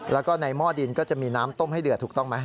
แล้วก็ในหม้อดินก็จะมีน้ำต้มให้เดือดถูกต้องไหม